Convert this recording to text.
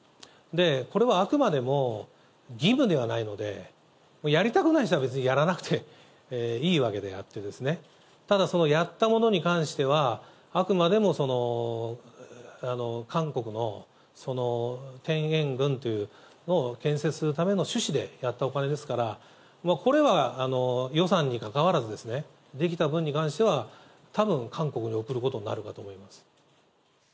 これはあくまでも、義務ではないので、やりたくない人は、別にやらなくていいわけであって、ただ、そのやったものに関しては、あくまでも韓国の天苑宮というのを建設するための趣旨でやったお金ですから、これは予算にかかわらずですね、できた分に関しては、たぶん韓国に送ることになるかと思います。